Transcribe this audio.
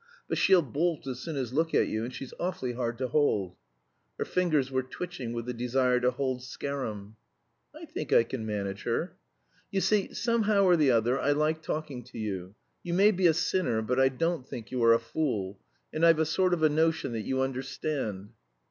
But she'll bolt as soon as look at you, and she's awfully hard to hold." Her fingers were twitching with the desire to hold Scarum. "I think I can manage her." "You see, somehow or the other I like talking to you. You may be a sinner, but I don't think you are a fool; and I've a sort of a notion that you understand."